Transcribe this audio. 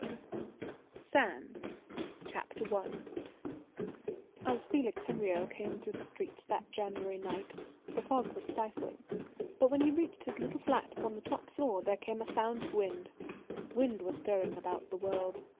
Sand I As Felix Henriot came through the streets that January night the fog was stifling, but when he reached his little flat upon the top floor there came a sound of wind. Wind was stirring about the world.